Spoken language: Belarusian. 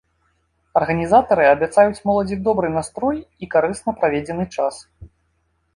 Арганізатары абяцаюць моладзі добры настрой і карысна праведзены час.